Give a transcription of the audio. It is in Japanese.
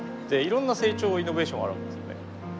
いろんな成長イノベーションあるわけですよね。